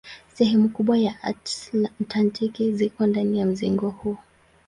Sehemu kubwa ya Antaktiki ziko ndani ya mzingo huu.